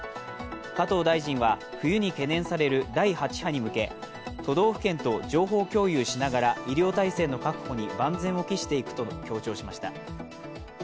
加藤大臣は冬に懸念される第８波に向け、都道府県と情報共有しながら医療体制の確保に万全を期していくと強調しました。